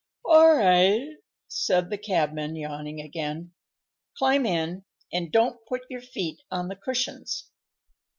"All right," said the cabman, yawning again. "Climb in, and don't put your feet on the cushions."